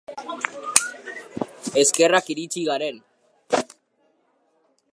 Eskerrak iritsi garen.